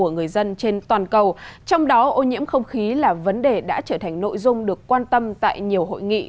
nghị diễn đàn trên thế giới ô nhiễm không khí đang đe dọa đến quốc gia tổ chức tổ chức tổ chức tổ chức